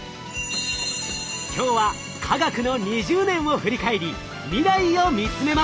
今日は科学の２０年を振り返り未来を見つめます。